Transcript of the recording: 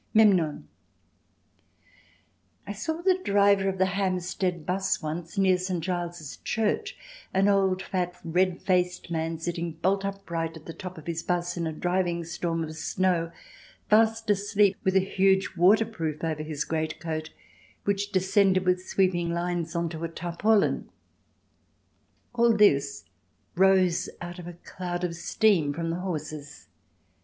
Memnon I saw the driver of the Hampstead 'bus once, near St. Giles's Church—an old, fat, red faced man sitting bolt upright on the top of his 'bus in a driving storm of snow, fast asleep with a huge waterproof over his great coat which descended with sweeping lines on to a tarpaulin. All this rose out of a cloud of steam from the horses.